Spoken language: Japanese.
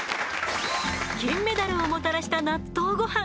金メダルをもたらした納豆ゴハン。